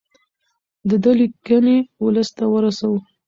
د ده لیکنې ولس ته ورسوو.